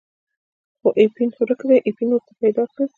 خو اپین یې ورک دی، اپین ورته پیدا کړئ.